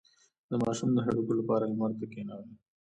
د ماشوم د هډوکو لپاره لمر ته کینوئ